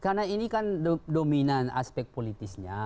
karena ini kan dominan aspek politisnya